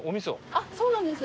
あっそうなんです。